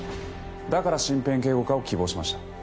だから身辺警護課を希望しました。